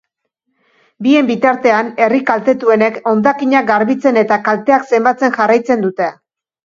Bien bitartean, herri kaltetuenek hondakinak garbitzen eta kalteak zenbatzen jarraitzen dute.